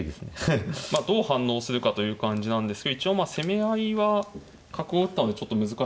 なのでまあどう反応するかという感じなんですけど一応まあ攻め合いは角を打ったのでちょっと難しそう。